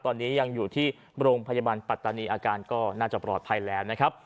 ตอนนี้ยังอยู่ที่โรงพยาบาลปัตตานีอาการก็น่าจะปลอดภัยแล้วนะครับ